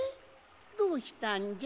どうしたんじゃ？